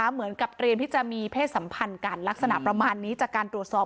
เหมือนกับเตรียมที่จะมีเพศสัมพันธ์กันลักษณะประมาณนี้จากการตรวจสอบ